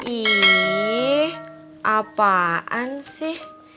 ih apaan sih